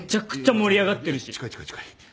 近い近い近い。